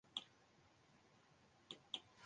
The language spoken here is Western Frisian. Skriuw de earste fiif alinea's.